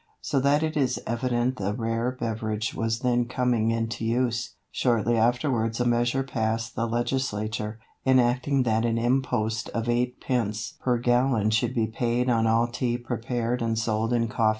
So that it is evident the rare beverage was then coming into use. Shortly afterwards a measure passed the legislature, enacting that an impost of eightpence per gallon should be paid on all Tea prepared and sold in coffee houses.